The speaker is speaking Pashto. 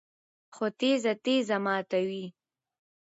خو تیږه تیږه ماتوي